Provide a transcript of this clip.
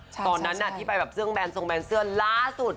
ตอนนั้นที่ไปแบบซื้องแบลน์ซงแบลน์เสื้อล้าสุด